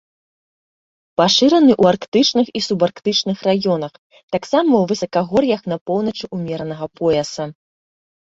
Пашыраны ў арктычных і субарктычных раёнах, таксама ў высакагор'ях на поўначы ўмеранага пояса.